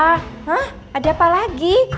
hah ada apa lagi